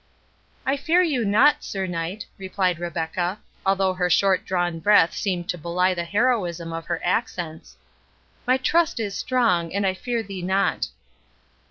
"I fear you not, Sir Knight," replied Rebecca, although her short drawn breath seemed to belie the heroism of her accents; "my trust is strong, and I fear thee not."